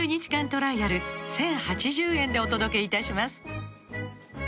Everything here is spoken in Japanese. トライアル１０８０円でお届けいたします